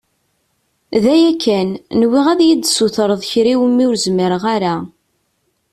D aya kan, nwiɣ ad iyi-d-tessutreḍ kra iwimi ur zmireɣ ara.